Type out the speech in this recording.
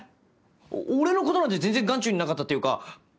俺のことなんて全然眼中になかったというか。